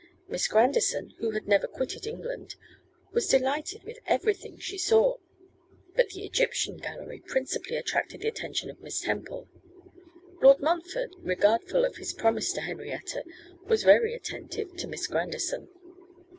Miss Grandison, who had never quitted England, was delighted with everything she saw; but the Egyptian gallery principally attracted the attention of Miss Temple. Lord Montfort, regardful of his promise to Henrietta, was very attentive to Miss Grandison.